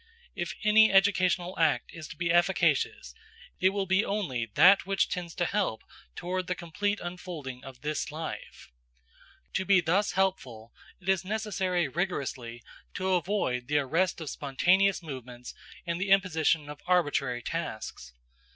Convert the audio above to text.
If any educational act is to be efficacious, it will be only that which tends to help toward the complete unfolding of this life. To be thus helpful it is necessary rigorously to avoid the arrest of spontaneous movements and the imposition of arbitrary tasks.